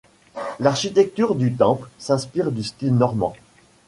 L'architecture du temple s'inspire du style normand.